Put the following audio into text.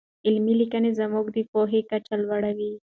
علمي لیکنې زموږ د پوهې کچه لوړوي.